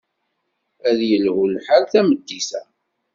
Ad yelhu lḥal tameddit-a.